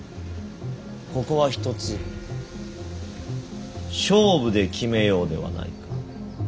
ここはひとつ勝負で決めようではないか。